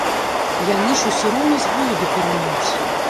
Яны ж усё роўна з голаду перамруць.